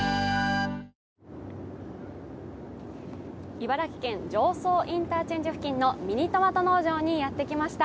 茨城県常総インターチェンジ付近のミニトマト農場にやってきました。